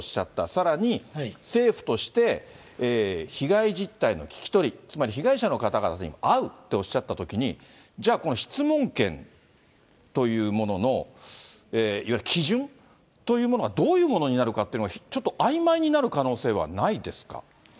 さらに、政府として被害実態の聞き取り、つまり被害者の方々に会うっておっしゃったときに、じゃあ、この質問権というものの、いわゆる基準というものはどういうものになるかっていうのが、ちょっとあいまいになる可能性はないですか。